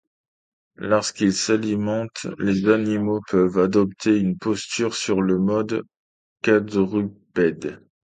Lorsqu’ils s’alimentent les animaux peuvent adopter une posture sur le mode quadrupède.